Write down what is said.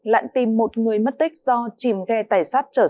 lặn tìm một người mất tích do chìm ghe tài sát trở xe